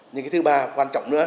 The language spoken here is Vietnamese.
nhưng cái thứ ba quan trọng nữa